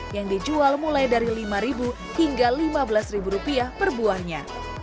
yang dijual mulai dari rp lima hingga rp lima belas rupiah per buahnya